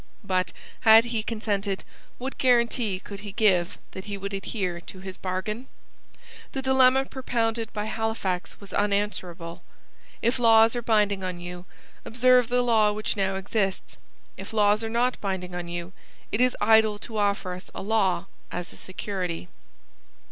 But, had he consented, what guarantee could he give that he would adhere to his bargain? The dilemma propounded by Halifax was unanswerable. If laws are binding on you, observe the law which now exists. If laws are not binding on you, it is idle to offer us a law as a security.